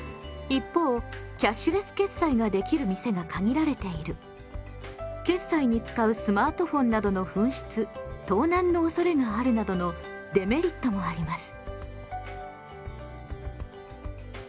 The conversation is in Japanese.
一方キャッシュレス決済ができる店が限られている決済に使うスマートフォンなどの紛失・盗難の恐れがあるなどのデメリットもあります。